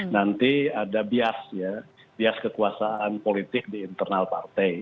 nanti ada bias ya bias kekuasaan politik di internal partai